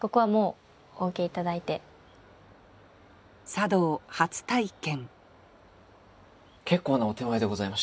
茶道初体験